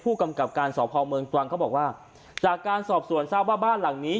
กำกับการสอบภาวเมืองตรังเขาบอกว่าจากการสอบสวนทราบว่าบ้านหลังนี้